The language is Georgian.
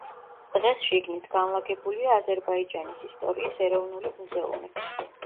დღეს შიგნით განლაგებულია აზერბაიჯანის ისტორიის ეროვნული მუზეუმი.